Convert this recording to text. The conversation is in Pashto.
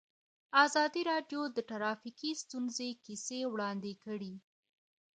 ازادي راډیو د ټرافیکي ستونزې کیسې وړاندې کړي.